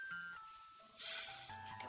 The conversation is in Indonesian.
lagi ke baru